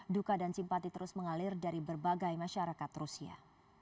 duka dan simpati terus mengalir dari berbagai masyarakat rusia